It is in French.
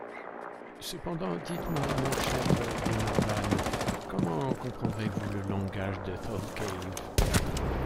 Cependant, dites-moi, mon cher Glenarvan, comment comprendrez-vous le langage de Thalcave ?